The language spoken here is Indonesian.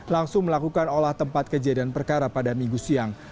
langsung melakukan olah tempat kejadian perkara pada minggu siang